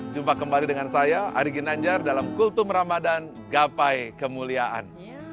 jumpa kembali dengan saya ari ginanjar dalam kultum ramadhan gapai kemuliaan